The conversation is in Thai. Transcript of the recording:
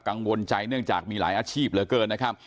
กังวลใจเนื่องจากมีหลายอาชีพเหลือเกินนะครับ